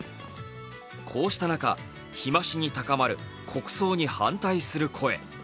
こうした中、日増しに高まる国葬に反対する声。